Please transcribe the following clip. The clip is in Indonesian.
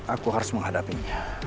aku harus menghadapinya